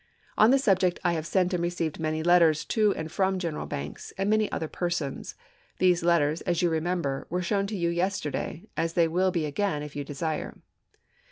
On the sub ject, I have sent and received many letters to and from General Banks, and many other persons. These letters, as you remember, were shown to you yesterday, as they will be again, if you desire.